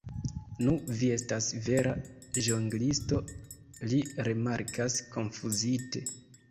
Nu, vi estas vera ĵonglisto, li rimarkas konfuzite.